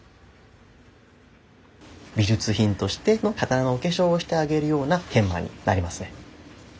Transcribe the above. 美術品としての刀のお化粧をしてあげるような研磨になりますね。